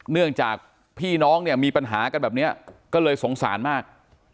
เนื่องจากพี่น้องเนี่ยมีปัญหากันแบบนี้ก็เลยสงสารมาก